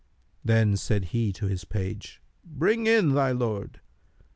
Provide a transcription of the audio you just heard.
Then said he to his page, 'Bring in thy lord.'